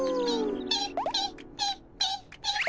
ピッピッピッピッ。